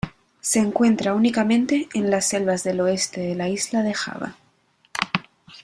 Se encuentra únicamente en las selvas del oeste de la isla de Java.